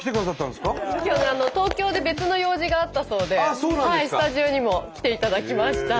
今日東京で別の用事があったそうでスタジオにも来ていただきました。